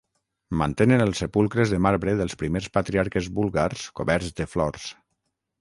Mantenen els sepulcres de marbre dels primers patriarques búlgars coberts de flors.